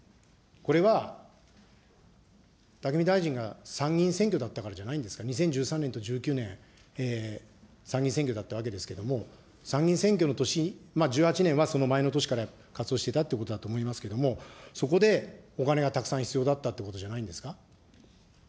これは、武見大臣が参議院選挙だったからじゃないんですか、２０１３年と１９年、参議院選挙だったわけですけれども、参議院選挙の年、１８年はその前の年から活動してたということだと思いますけれども、そこでお金がたくさん必要だったということじゃないんですか。